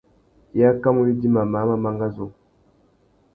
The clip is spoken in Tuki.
I akamú widjima māh má mangazú.